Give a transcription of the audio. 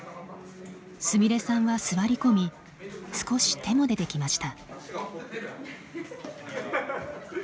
すみれさんは座り込み少し手も出てきました。